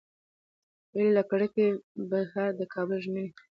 هیلې له کړکۍ بهر د کابل ژمني او دوړجن اسمان ته په ځیر وکتل.